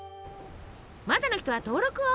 まだの人は登録を。